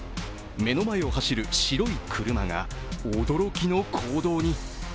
目の前を走る白い車が驚きの行動に。